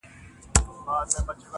• د غوڅولو اعلان کړی وو -